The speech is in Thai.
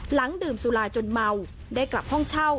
หลังดื่มสุราจนเมาได้กลับห้องเช่า